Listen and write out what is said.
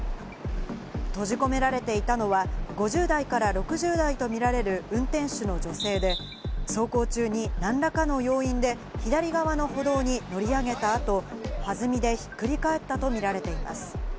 閉じ込められていたのは５０代から６０代とみられる運転手の女性で、走行中に何らかの要因で左側の歩道に乗り上げた後、はずみでひっくり返ったと見られています。